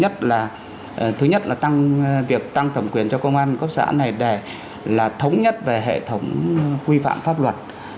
thứ nhất là việc tăng thẩm quyền cho công an cấp xã này để là thống nhất về hệ thống huy phạm pháp luật